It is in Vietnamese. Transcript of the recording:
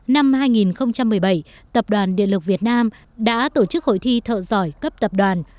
năm hai nghìn một mươi bảy tập đoàn điện lực việt nam đã tổ chức hội thi thợ giỏi cấp tập đoàn